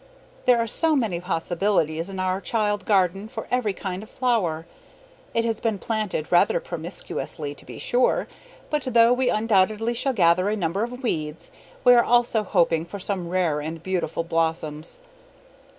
There are so many possibilities in our child garden for every kind of flower. It has been planted rather promiscuously, to be sure, but though we undoubtedly shall gather a number of weeds, we are also hoping for some rare and beautiful blossoms.